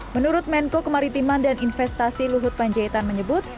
menurut menko kemaritiman dan investasi luhut panjaitan menyebut